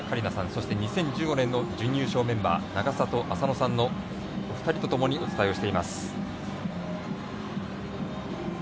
そして、２０１５年の準優勝メンバー永里亜紗乃さんのお二人とともにお伝えをしています。